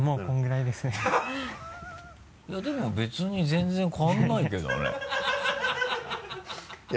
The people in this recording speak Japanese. いやでも別に全然変わらないけどね。